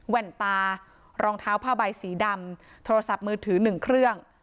แว่นตารองเท้าผ้าใบสีดำโทรศัพท์มือถือ๑เครื่อง